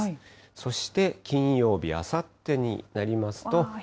そして金曜日、あさってになりますと。